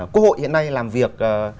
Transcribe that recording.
cố hội hiện nay làm việc